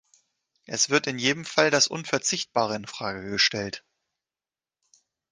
Es wird in jedem Fall das Unverzichtbare in Frage gestellt.